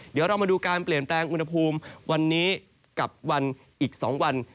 เดี๋ยวเรามาดูการเปลี่ยนแปลงอุณหภูมิวันนี้กับวันอีก๒วัน